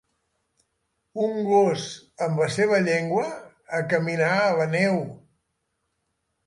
Un gos amb la seva llengua a caminar a la neu.